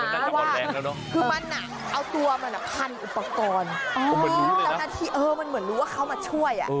อ๋อคือมันอ่ะเอาตัวมันพันอุปกรณ์มันเหมือนรู้ว่าเขามาช่วย